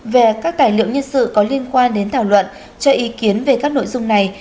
về các tài liệu nhân sự có liên quan đến thảo luận cho ý kiến về các nội dung này